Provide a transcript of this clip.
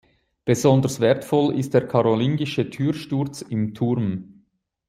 Besonders wertvoll ist der karolingische Türsturz im Turm.